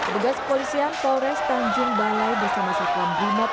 begas polisian polres tanjung balai besar masakwan bumep